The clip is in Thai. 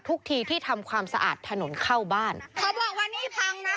ทุกทีที่ทำความสะอาดถนนเข้าบ้านเขาบอกวันนี้พังนะ